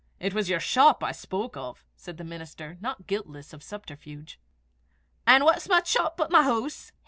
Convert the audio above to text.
It was your shop I spoke of," said the minister, not guiltless of subterfuge. "An' what's my chop but my hoose?